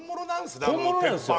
本物なんですよ。